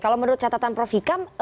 kalau menurut catatan prof hikam